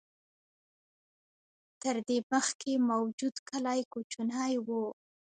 تر دې مخکې موجود کلي کوچني و.